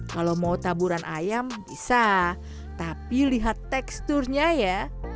kalau mau taburan ayam bisa tapi lihat teksturnya ya